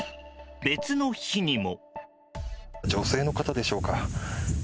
別の日にも。